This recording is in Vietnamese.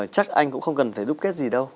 chắc anh cũng không cần phải đúc kết gì đâu